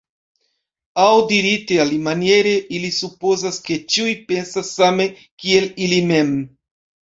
Aŭ dirite alimaniere, ili supozas, ke ĉiuj pensas same kiel ili mem.